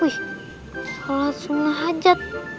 sholat sunnah hajat